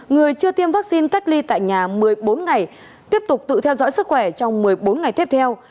người chưa tiêm vaccine cách ly tại nhà một mươi bốn ngày tiếp tục tự theo dõi sức khỏe trong một mươi bốn ngày tiếp theo